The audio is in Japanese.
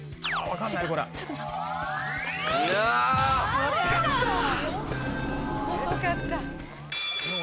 わかった。